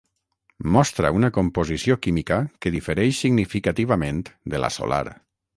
Mostra una composició química que difereix significativament de la solar.